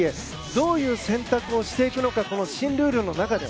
どういう選択をしていくのかこの新ルールの中で。